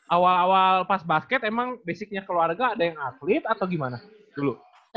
awal awal pas basket emang basicnya keluarga ada yang atlet atau gimana dulu